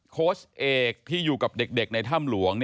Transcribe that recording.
โค้ชเอกที่อยู่กับเด็กในถ้ำหลวง